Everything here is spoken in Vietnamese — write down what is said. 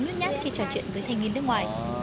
nếu đây tiền thật chú đừng đổi nữa